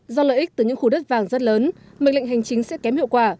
do lợi ích từ những khu đất vàng rất lớn mệnh lệnh hành chính sẽ kém hiệu quả